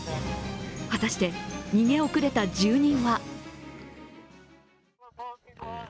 果たして逃げ遅れた住人は？